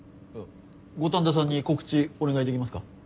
五反田さんに告知お願いできますか？